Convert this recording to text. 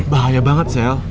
bahaya banget sel